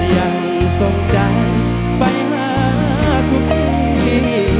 ยังทรงใจไปหาทุกที่